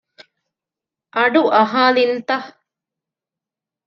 އަޑު އަހާލިންތަ؟